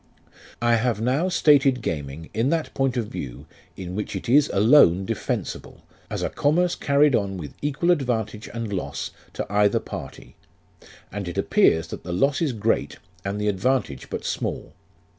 " I have now stated gaming in that point of view in which it is alone defensible, as a commerce carried on with equal advantage and loss to either party, and it appears, that the loss is great, and the advantage but small.